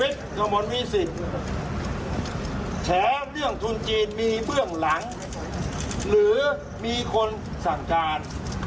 แถงเรื่องทุนจีนมีเบื้องหลังหรือมีคนสั่งการ